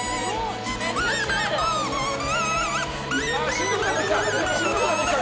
しんどくなってきたか？